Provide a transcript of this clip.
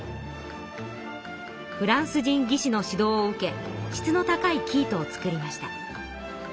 フランス人技師の指導を受け質の高い生糸を作りました。